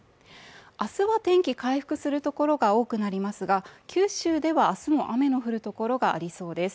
明日は天気回復するところが多くなりますが、九州では明日も雨の降るところがありそうです